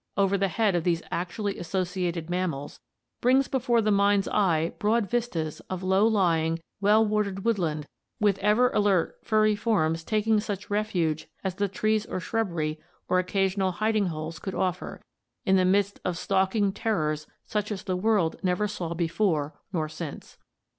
XVI) over the head of these actually associated mammals, brings before the mind's eye broad vistas of low lying, well watered woodland with ever alert furry forms taking such refuge as the trees or shrubbery or occasional hiding holes could offer, in the midst of stalking terrors such as the world never saw before nor since.